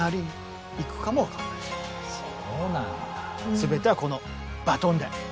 全てはこのバトンで。